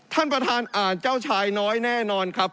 ท่านประธานอ่านเจ้าชายน้อยแน่นอนครับ